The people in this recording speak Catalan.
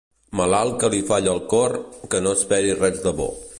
Malalt que li falla el cor, que no esperi res de bo.